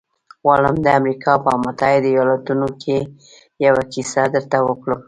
غواړم د امریکا په متحدو ایالتونو کې یوه کیسه درته وکړم